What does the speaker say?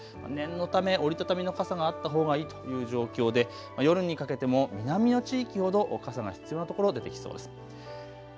念のため折り畳みの傘があったほうがいいという状況で夜にかけても南の地域ほど傘が必要な所、出てきそうです。